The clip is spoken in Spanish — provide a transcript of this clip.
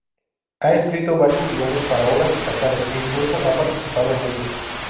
Ha escrito varios guiones para obras destacadas e incluso ha participado en ellas.